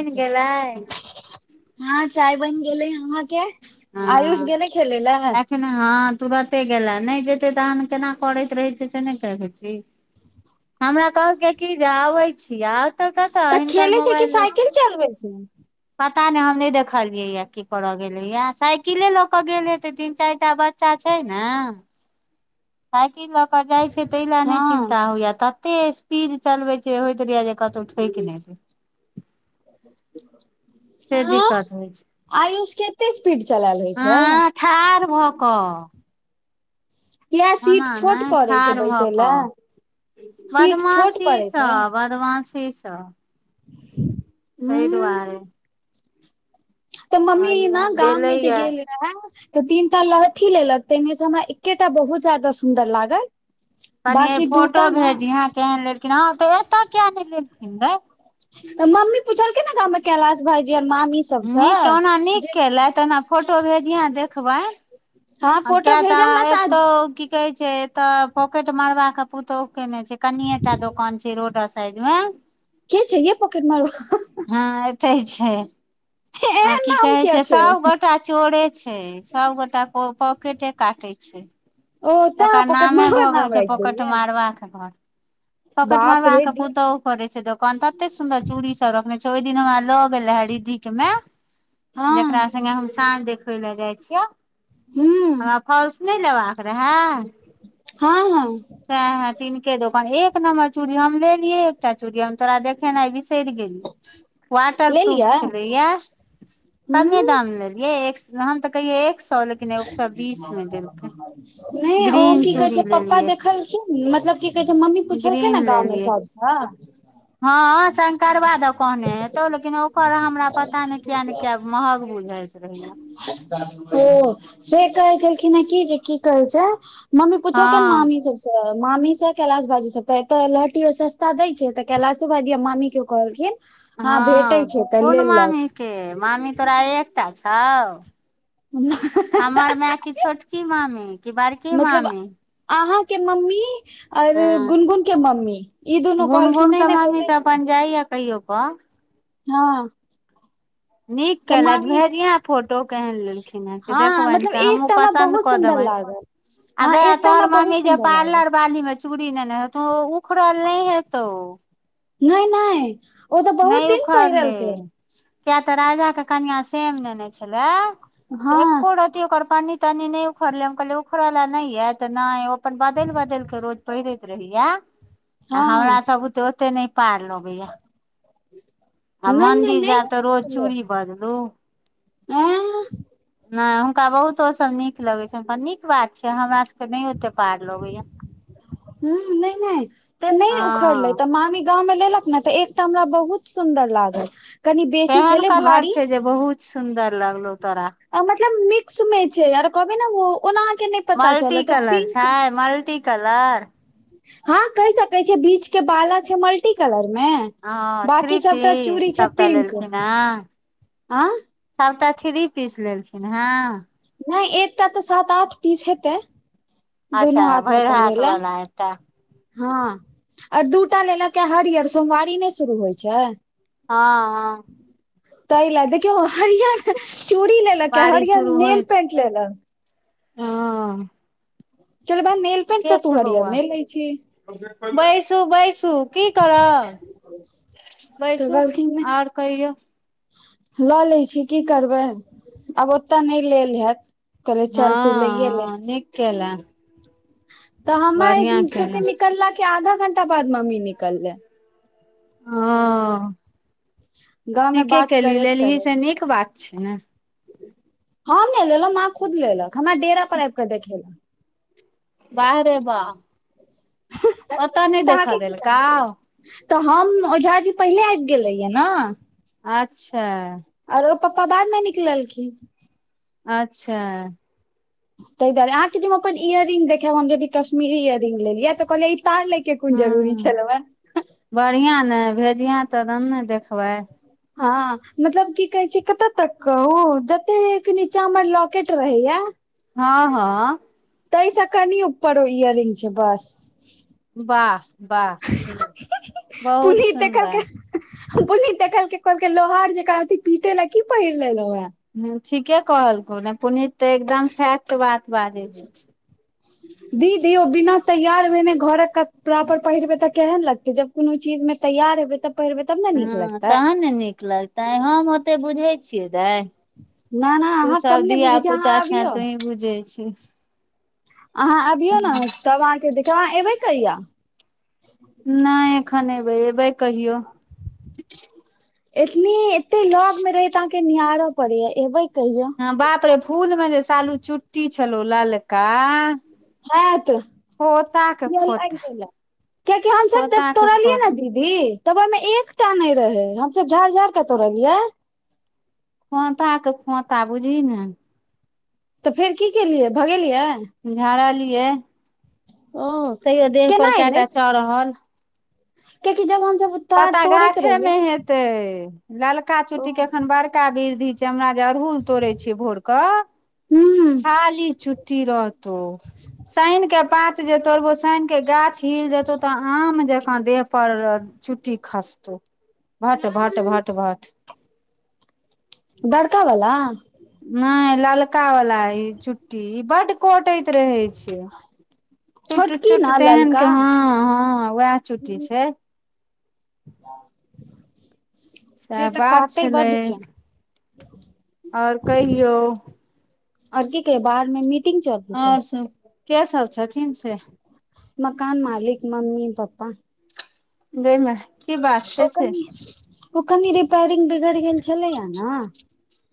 बनि गेलै हँ चाय बनि गेलै अहा के। आयुष हँ गेने खेल ल हँ तुरते गेला नहि जेते तहन केना करैत रहे छै से ने क---है छी हमरा कहलके की जे आबै छिय तऽ खेले छै कि साइकिल चलबै छै पता नहि हम नहि देखलियै या की करऽ गेलै या साइकिले लऽ के गेले ते तीन चारि टा बच चा छैै ने सइकिल ल कऽ जाइ छै दै ल नहि हँ चिन्ता हइय--ए तते स्पीड चलबै छै होइत रहय जे कतहु ठोक नहि रहे? से हँ दिक्कत होइ छै आयुष केते स्पीड चलबाय होय छै। हँ ठाढ़ भऽ कऽ किया सीट ओना छोट नय पड़ै छै ठाढ़ भऽ बैसै कऽ लए सीट छोट बदमाशी पड़ै स बदमाशी स ह।। तै दुआरे तऽ मम्मी कहलियै न गाममे जे गेलैया गेल रहे तऽ तीन टा लहठी लेलक तैमे से हमरा एकेटा बहुत जादा सुन्दर लागल कनिय बाकी फोटो दूटा ने भेजीहा केहन लेलखिन ह तऽ एतऽ किया नै लेलखिन गै मम्मी पुछलखिन ने गाम मे कैलाश भाजी आ मामी सबसँ नीक ओना नीक जे केलै तऽ ओना फोटो। भेजहे देखबै हँ फोटो किया तऽ भेजब ने एना एतो कि की कह छै एतऽ पॉकेट मरबा के पुतोहु केने छै कनिए टा दोकान छै रोड साइड मे। के छै यै पॉकेट मारवा हँ एतै छै आ एहन की नाम कहे किया छै सबगोट सबोटा चोरे छै सबगोटा पॉकेटे काटे छै ओ तैं तऽकर पॉकेट नामे मारबा भऽ गेल नाम छै राखि पोकट देलियै मारबाकघर पॉकेट बाप मारबा रे के दी पूतौह करै छै दोकान तऽते सुन्दर चूड़ी सब रखने छै ओहि दिन हमरा ल गेल है रिद्धिके मेए हँ जकरा संगे हम साँझ देखबै ल जाय छियौ हूं हमरा फल्स नय लेबाक रहे हँ हँ। सेहे तीनके दोकान एक नम्बर चूड़ी हम लेलियै एकटा चू। ड़ी हम तोरा देखेनाइ बिसैर गेलिय वाटरप्रूफ लेलियै हूं छेलैयए कमे दाम लेलियै एक हम तऽ कहियए एक सो लेकिन एक सौ बीस मे देलकै। नै ओ ग्रीन की कहे चूड़ी छै पप्पा लेलियै देखलखिन मतलब की कहे छै मम्मी पुछलकै ग्रीन ने गांवं लेलियै सब--स हँ हँ शंकरबा द कहने हेतौ लेकिन ओकर हमरा पता नै किया ने किया महग बुझै [inaudible] ओ से कहै छल कि न कि जे कि कहै छै मम्मी पुछल के न हँ मामी स मामी सब कैलाश बाजी सब त एते लहठी सस्ता देय छै तऽ कैलाशो भाईजी आ मामी के कहलखीन हँ भेटै छै तऽ कोन लेलक मामी के मामी तोरा एकटा छौ लेलक हमर माय कि छोटकी मामी कि बड़की मामी अहाँ के मम्मी और हँ गुनगुन के मम्मी ई दुनू कहलखिन नै नै भेटै छै [inaudible] क हँ नीक तऽ केलैथ मामी भेजिया फोटो केहन लेलखिन हेँ से हँ देखबैन मतलब से हमहुँ एकटा हमरा पसन्द बहुत कऽ देब सुन्दर लागल आ हँ गय अ एकटा हमरा तोहर बहुत मम्मी जे सुन्दर लागल पार्लर बालीमे ओ उखरल नै हेतौ नै नै ओ तऽ बहुत नहि दिन पहिरलकै उखड़लै किया तऽ राजा के कनिया सेम नेने छेलै से हँ एको र ती ओकर पन्नी तन्नी नहि उखड़लै हम कहलियै उखड़ल ल नहि हे तऽ नहि अपन बदलि बदलि के रोज पहिरैत रहै ये [inaudible] आ हमरा सब बुते ओते नै पार लगैया आ नहि नहि मंन्दिर नहि जायब तऽ रोज चूड़ी बदलू आँ नय हुनका बहुतो ओ सब नीक लगै छैन नीक बात छै हमरा सब हूँ नै नै तऽ नै उखड़लै हँ तऽ मामी गाँं मे लेलक न तऽ एकटा हमरा बहुत सुंन्दर लागल कनि बेसी केहन छलै कलर भारी छै जे बहुत सुन्दर लगलौ तोरा मतलब मिक्स मे छै आर कहबै न ओना अहाँके पता मल्टी चलत ओ कलर पिंक छाय मल्टी कलर हँ कहि सकै छियै बीच के बाला छै मल्टी कलर मे बाकी थ्री सबटा चूड़ी पीस छै सबटा पिंक लेलखिन हँ आ सबटा थीरी पीस लेलखिन हँ नै एकटा तऽ सात आठ पीस हेतै अच्छा दुनू हाथ मे भरि पहिरै लए वाला एकटा हँ आर दूटा लेलकए हरियर सोमवारी नै शुरू होइ छै हँ हँ ताईला देखियौ हरियर चूड़ी लेलकए बारिश हरियर शुरू होइ नेल छै पेंट लेलक हँ केलबा मेल के छै बौआ बैसू बैसू की करब तऽ बैसु कहलखिन नहि आओर कहियौ लऽ लै छी की करबै आब ओतय नै लेल हेएत कल चल तू लैए ले हँ नीक केला तऽ हमा एक बढ़िआँ केला सबके निकलला के आधा घंटा बाद मम्मी निकलैे ओ गाँव मे नीके बात केली करैत लेलही से करैत नीक बात छै ने हम नै लेलौ मा खुद लेलक हमरा डेरा पर आबि कऽ देखेलक बाहरे बा ओतऽ नै तऽ देखऽ अहाँके की लाग देलकाव तऽ हम ओझा जी पहिले आबि गेल रहियै न अच्छा आओर ओ पपा बाद मे निकललखिन अच्छा [inaudible] ताहिदुआरे अहाँके हम अपन इयर रिंग देखेएब हम जी कश्मीरी इयररिंग लेलियै त कहलै ई तार के कोन जरूरी हूँ छलौए बढ़िआँ ने भेजिहँ त तखन न देखबै हँ मतलब की कहै छै कतऽ तक कहू जतेक नीचा हमर लॉकेट रहेया हँ हँ तहि स कनी ऊपरो इयररिंग छै बस वाह वाह बहुत पुनीत देखलकै सुन्दर पुनीत देखलकै कहलकै लोहार जेका अथी पिट ला की पहिर लेलो वँ हूँ ठीके कहलकौ ने पुनीत तऽ एकदम फैक्ट बात बाजै छै दीदी ओ बिना तैयार भे ने घरक कपड़ा पर पहिरबै तऽ केहन लगतै जब कुनु चीज मे तैयार हेबै तऽ पहीरबै हँ तहन ने नीक लगतै हम ओते बुझै छियै दाय ना ना तू अहाँ सब कम नहि धिया बुझै छियै पुता अहाँ छँ अबियौ तुही बुझै छी अहाँ अबियौ न तब अहाँके देखाएब अहाँ एबै कहिया नै एखन एबै एबै कहियो एतनी एते लग मे रहे त अहाँके निहार पड़े या एबे कहियो बाप रे फूल मे जे सालू चुट्टी छलो ललका खोता के खोता [inaudible] कयाकि हमसब जब खोता के तोड़लियै न खोत दीप दी तब ओहिमे एकटा नहि रहे हमस झाड़ झाड़ के तोड़लियै खोता के खोता बुझी ने त फेर की केलियै भगेलियै झाड़ लियै ओ तैयो देह केना पर एलै केटा चरहल कियाकि जब हमसब तार पता तोड़ैत गाछे मे रहियै हेते ललका ओ चुट्टी के एखन बड़का वृद्धि छै हमरा अड़हुल तोड़े छियै भोर क हूं खाली छुट्ठी रहतौ शनि के पात जे तोड़बो शनि के गाछ हिल जेतौ त आम जकाँ देह पड़ छुट्टी खासतौ भट भट भट भट बडकावला नय ललका वाल इ चुट्टी ई बड कोटैत रहे छै चुट छोटकी चुट ने तेहन ललका के हँ हँ उएह चुट्टी छै से सएह त बात काटे बड छै और कहियौ और की गई बाहर मे मीट और सब के सब छथिन से मकान मालिक मम्मी पप्पा गईमै की बात ओ छै कनि ओ कनी रिपेयरिंग बिगड़ि गेल छलैया न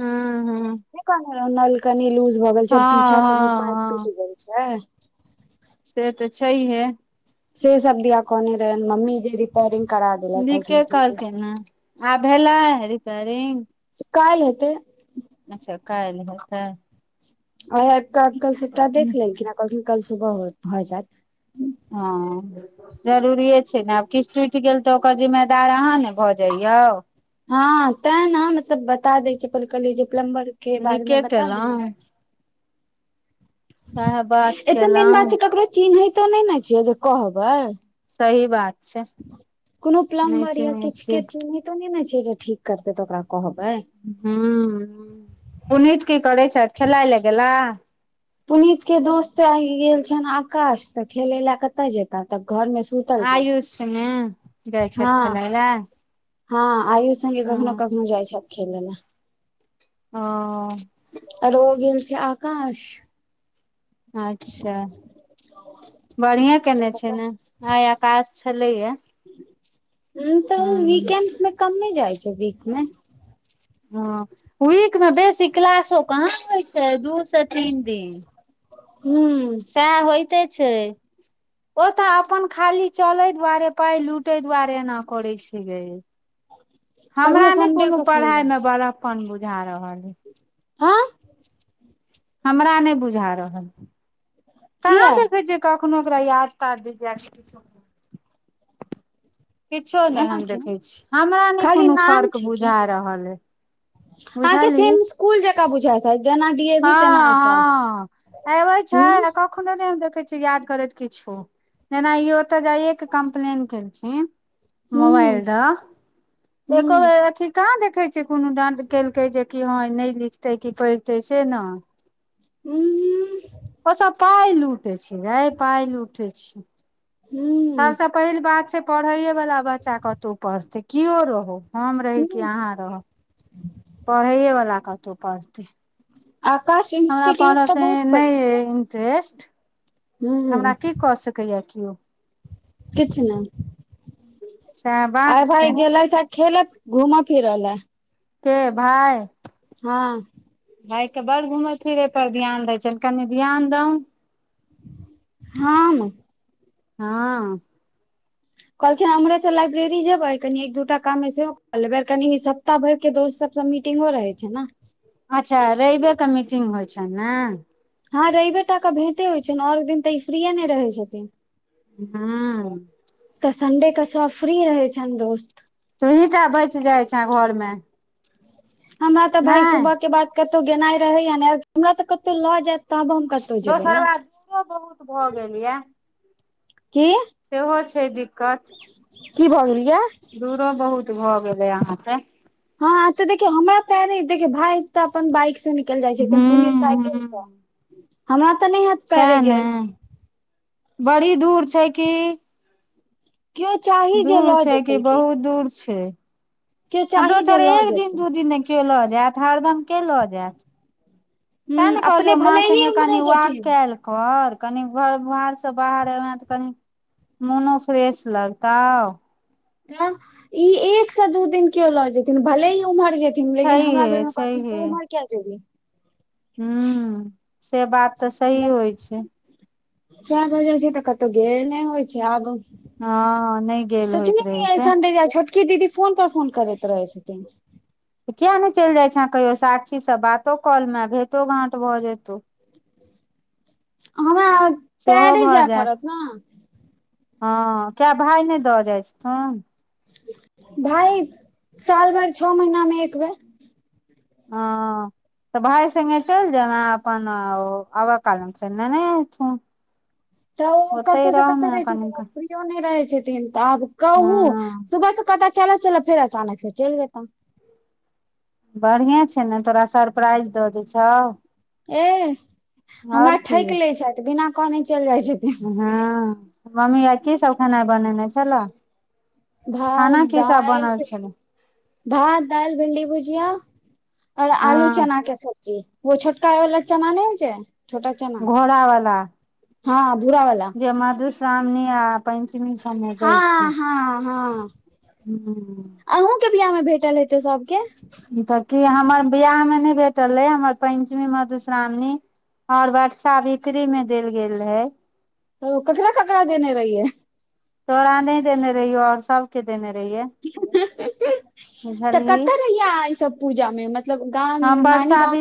हू हू नय कहने रह नल कनी लूज भ गेल छै और पीछा कनि हँ पाइप हँ टूट गेल छै से त छैहे से सब दिया कोने रहै मम्मी जे रिपेरिंग करा देलै [unintelligible] [inaudible] आब भेल रिपरिंग काल काल्हते अच्छा काल काल्हते आ आबके अंकल सबटा देख लेलखिन कहलखिन कल सुबह भ जायत हँ जरूरिे छै ने आब किछ टुट गेल त ओकर जिम्मेदार अहाँ ने भ जाइयौ हँ ते ने मतलब बता दै छी फेर कहली प्लम्बर के बारे नीके मे बता देल केलहुँ सएह बात ए त मेन केलहुँ बात छै ककरो चिन्हितो नय न छिय जे कहबै सही बात छै कोनो नहि प्लम्बर या चिन्है किछ छी के चनातो नय ने छै जे ठीक करतै त ओकरा कहबै हु पुनत की करै छ खेलाय लए गेला पुनीत के दोस्त आय गेल छेल आकाश त खेले लए कतय जेता त घर मे सुत आयुष संगे जाइ छाथ खेलय लए हँ आइयो सगे कखनो कखनो हँ जाइ छथ खेलय लए ओ आर ओ गेल छै आकाश अच्छा, बढ़िऐ केने छै ने आइ आकाश छलैया तऽ हूँ वीकेड मे कम नहि जाइ छै वीक मे वीक मे बेसी क्लासो कहाँ होइ छै दू से तीन दिन हू। सएह होइते छै। ओ तऽ अपन खाली चले दुआरे पाय लूटे दुआरे एना करे छै गे ह। हमरा नहि कोनो पढ़ाई मे बड़फपन बुझा रहल हइ। हा हमरा नहि बुझा रहल कहा किया देखै कखनो ओकरा याद तऽ द कि किछो नहि एना हम किया देखे छी हमरा ने खाली कोनो नाम फर्क छै कि बुझा रहल ह बुझली इकुल जका बुझााय है जेना डी ए वी तेना आकाश अखनो नहि हम देखै छियै याद करैत किछु जेना ई ओतऽ जाइए के कम्प्लेन केलखिन। मोबाल हूँ दऽ एक हूँ अथी कहा देखे छै कोनो ड केलकै जे कि ह नहि लिखतै कि पढ़ते से ने हूँ। ओ सभ पाइ लूटे छै रे पाइ लूटे छै हूँ सरस पहिल बात छै पढ़ैए वाला बच्चा कतहु पढ़तै कओ रहो हम रही कि हूँ अहाँ रहब पढ़ैए वाला कतहु पढ़तै आकाश इन्स्टिट्यूट त बहुत पड़ छै टेस्ट। हू केओ किछ नहि। सएह आरे बात भाय छै गेले त खेल घूमऽ फिरऽ ले के भाय हँ। भाय के बड़ घूमे फिरे पर ध्यान दै छ कनि ध्यान दौ हम ह कहलखिन हमरे तऽ लाइब्रेरी जेबै कनी एक दूटा काम मे सेहो कर लेबै कनि सप्ताह भर के दोस्त सभ सभ मीटिंगो रहै छै ने अच्छा रइबे क मीटिंग होइ छै ने ह रइवे टा कऽ भेटे होइत छै आओर दिन तऽ ई फ्रीए नहि रहैत छथिन ह त सन्डेके कऽ फ्री रहै छनि दोस्त तोहींटा बच जाइ छै घरमे हमरा तऽ भाय नहि सुबह के बाद कतौ गेनाइ रहे या ने हमरा तऽ कतहु लऽ जायत तब हम कतहु जेबै दोसर ने बात दुरो बहुत भऽ गेल य कि सेहो छै दिक्कत। कि बऽजलियै दूरो बहुत भऽ गेलै अहाँकेँ हँ तऽ देखियौ हमरा पैरे देखियौ भाय तऽ अपन बाइक से निकलि जाइ छथिन हूँ पुनीत साइकिल हूँ से हमरा तऽ नैहत सएह ने बड़ी दूर छै की क्यो चाह दूर छै कि बहुत दूर छै केओ चाही जे दोसर लऽ एक जेतै दिन दू दिन ने केयो लऽ जायत हरदम के लऽ जायत तैं हूँ ने कहलिय अपने माँ भले ही संगे कनि उम्हरे वॉक जेथिन कायल कर कनि घर बाहरसँ बाहर एमें तऽ कनि मोनो फ्रेश लगतौ तऽ ई एक स दू दिन केयो लऽ जथिन भले ही उमहर जेथिन लेकिन हमरा बेर छैहे में कहथिन तू उमहार क्या जेभी हूँ से बात तऽ सही होइ छै तें वजह से तऽ कतो गेल नइ होइ छै आब हँ नइ सोचने नय [inaudible] छोटकी दीदी फोन पर फोन करैत रहै छथिन त किया नय चैल जाइ छह कहियो साक्षीसँ बातो कऽ लेमें भेटो घाट भऽ जेतौ हमरा सेहो पेरे भऽ जाय जायत पड़त न हँ किया भाय नइ दऽ जाइ छथुन [unintelligible] भाई साल भैर छओ महीना में एक बेर हँ तऽ भाय संगे चइल जायमें अपन ओ आबऽ कालमे फेन लेने एथुन तऽ ओ ओते कतो स कतो रहमे रह कनि जथिन ओ क फ्री किओ नइ रहै छथिन तऽ आब कहू हँ सुबह से कहतऽ चलब चलब फेर अचानक से चैइल जैता बढ़िए छै ने तोरा सर [inaudible] एह हमरा आओर की ठैक लै छएथ बिना कनेत चैल जाइ छथिन हँ मम्मी आय की सब खेनाइ बनेने छलाह भात दाइल छलै [inaudible] भात दाइल भिंडी भुजिया और आलू हँ चना कऽ सब्जी जे ओ छोटका वला चना नै होइ छै छोटा चना [inaudible] घोड़ा वाला हँ भुरा वला जे मधुश्रावणी आ पंचमी सब में दै छय हाँ हाँ हूँ अहुँ के बियाह मे भेटल हेतै सबके तऽ की हमर बियाह मे नई भेटल यै हमर पञ्चमी मधुश्रामणी हमर बटसावित्री में देल गेल रहै ऊ ककड़ा ककड़ा देने रहिए तोरा नय देने रहियौ और सबके देने रहियै तऽ बुझलही कतऽ रहिया ई सब पूजा में मतलब तहन हम नानी बरसा गाउँ